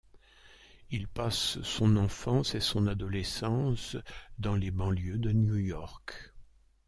Il passe son enfance et son adolescence dans les banlieues de New York.